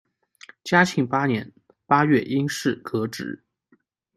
嘉庆八年八月因事革职。